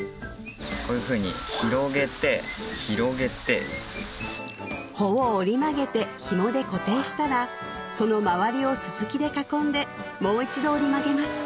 こういうふうに広げて広げて穂を折り曲げて紐で固定したらそのまわりをススキで囲んでもう一度折り曲げます